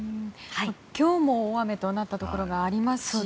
今日も大雨となったところがありますし